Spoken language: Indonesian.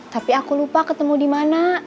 tapi aku lupa ketemu di mana